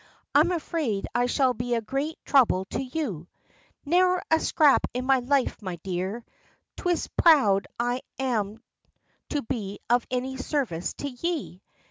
"I'm afraid I shall be a great trouble to you." "Ne'er a scrap in life, me dear. 'Tis proud I am to be of any sarvice to ye.